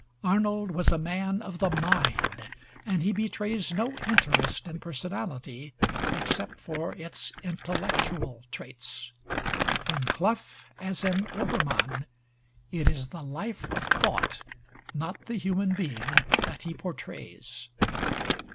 Arnold was a man of the mind, and he betrays no interest in personality except for its intellectual traits; in Clough as in Obermann, it is the life of thought, not the human being, that he portrays.